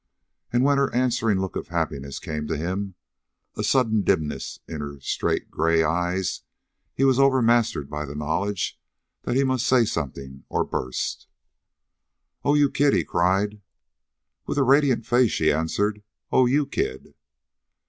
And when her answering look of happiness came to him a sudden dimness in her straight gray eyes he was overmastered by the knowledge that he must say something or burst. "O, you kid!" he cried. And with radiant face she answered, "O, you kid!"